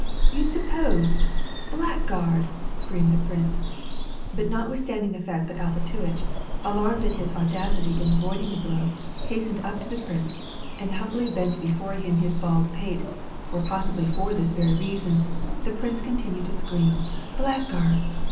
You supposed — blackguard !" screamed the prince, but notwithstanding the fact that Alpatuitch, alarmed at his audacity in avoiding the blow, hastened up to the prince, and humbly bent before him his bald pate, or possibly for this very reason, the prince continued to scream " Blackguards